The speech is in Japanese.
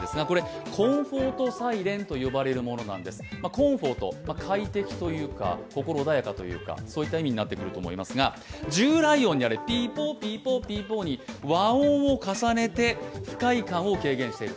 コンフォート、快適というか、心穏やかという意味になってくると思います、従来音であるピーポーピーポーピーポーに和音を重ねて不快感を軽減している。